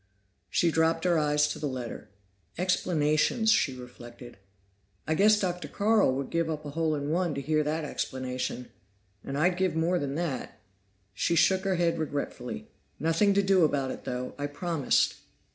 She dropped her eyes to the letter. "Explanations," she reflected. "I guess Dr. Carl would give up a hole in one to hear that explanation. And I'd give more than that." She shook her head regretfully. "Nothing to do about it, though. I promised."